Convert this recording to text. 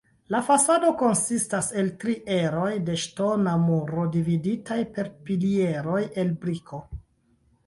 La fasado konsistas el tri eroj de ŝtona muro dividitaj per pilieroj el briko.